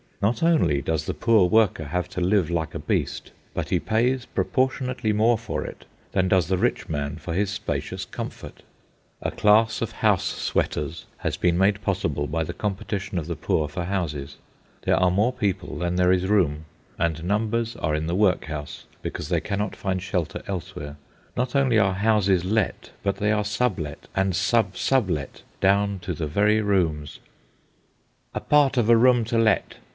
Not only does the poor worker have to live like a beast, but he pays proportionately more for it than does the rich man for his spacious comfort. A class of house sweaters has been made possible by the competition of the poor for houses. There are more people than there is room, and numbers are in the workhouse because they cannot find shelter elsewhere. Not only are houses let, but they are sublet, and sub sublet down to the very rooms. "A part of a room to let."